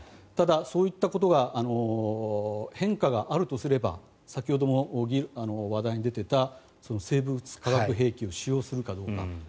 ただ、そういったことが変化があるとすれば先ほども話題に出ていた生物・化学兵器を使用するかどうか。